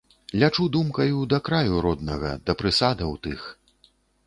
Лячу думкаю да краю роднага, да прысадаў тых.